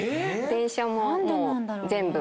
⁉電車ももう全部。